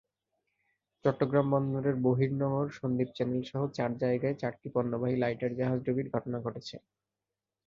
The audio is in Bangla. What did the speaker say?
চট্টগ্রাম বন্দরের বহির্নোঙর, সন্দ্বীপ চ্যানেলসহ চার জায়গায় চারটি পণ্যবাহী লাইটার জাহাজডুবির ঘটনা ঘটেছে।